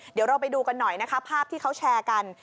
เดี๋ยวเราไปดูกันหน่อยนะคะภาพที่เขาแชร์กัน